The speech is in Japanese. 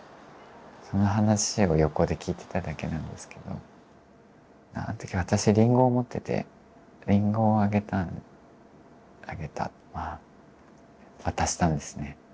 その話を横で聞いてただけなんですけどあの時私りんごを持っててりんごをあげたあげたまあ渡したんですね。